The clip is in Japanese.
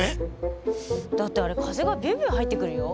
だってあれ風がビュウビュウ入ってくるよ。